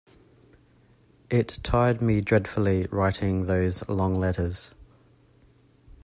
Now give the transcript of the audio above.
It tired me dreadfully writing those long letters.